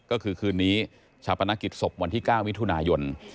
ก็คือคืนนี้ชาปนกิจศพวันที่๙มิถุนายน